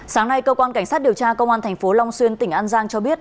sáng nay cơ quan cảnh sát điều tra công an tp long xuyên tỉnh an giang cho biết